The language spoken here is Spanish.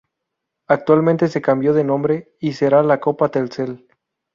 Actualmente se cambió de Nombre y será la Copa Telcel.